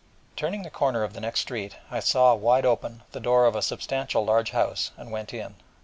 Turning the corner of the next street, I saw wide open the door of a substantial large house, and went in.